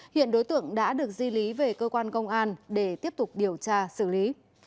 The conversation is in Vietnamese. hiện đối tượng đã được di lý về cơ quan công an để tiếp tục điều tra xử lý